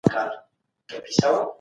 ستا هر حرکت زما لپاره یو نوی درس و.